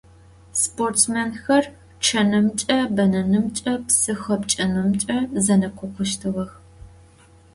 Sportsmênxer ççenımç'e, benenımç'e, psı xepç'enımç'e zenekhokhuştığex.